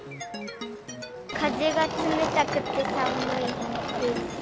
風が冷たくて寒いです。